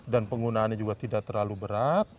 dan penggunaannya juga tidak terlalu berat